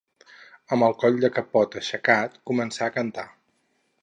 Amb el coll de capot aixecat, comença a cantar